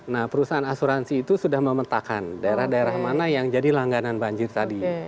nah perusahaan asuransi itu sudah memetakan daerah daerah mana yang jadi langganan banjir tadi